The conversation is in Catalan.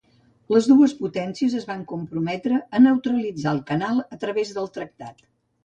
Les dues potències es van comprometre a neutralitzar el canal a través del tractat.